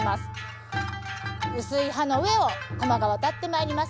薄い刃の上をこまが渡ってまいります。